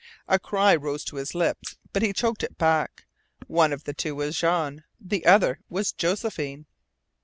A cry rose to his lips, but he choked it back. One of the two was Jean. The other was Josephine!